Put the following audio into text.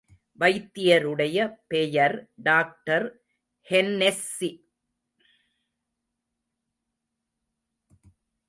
வைத்தியருடைய பெயர் doctor Hennessey.